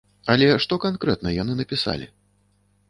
Але што канкрэтна яны напісалі?